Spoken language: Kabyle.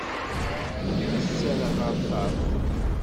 Ad s-t-rreɣ ɣer ṭṭerf.